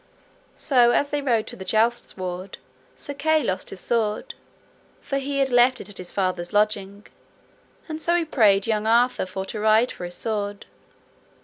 So as they rode to the jousts ward, Sir Kay lost his sword, for he had left it at his father's lodging, and so he prayed young Arthur for to ride for his sword.